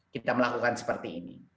kita melakukan seperti ini